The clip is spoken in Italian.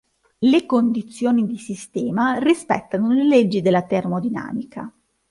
Le condizioni di sistema rispettano le leggi della termodinamica.